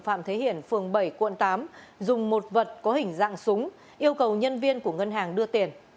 phạm thế hiển phường bảy quận tám dùng một vật có hình dạng súng yêu cầu nhân viên của ngân hàng đưa tiền